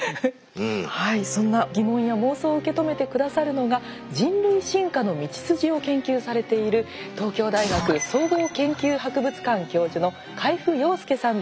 はいそんな疑問や妄想を受け止めて下さるのが人類進化の道筋を研究されている東京大学総合研究博物館教授の海部陽介さんです。